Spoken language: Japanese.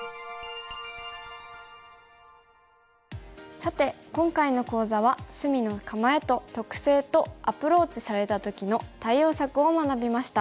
さて今回の講座は隅の構えの特性とアプローチされた時の対応策を学びました。